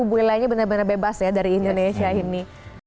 wilayahnya benar benar bebas ya dari indonesia ini